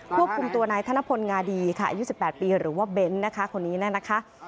ควบคุมตัวนายธนพลงาดีค่ะอายุ๑๘ปีหรือว่าเบ้นนะคะคนนี้นั่นนะคะ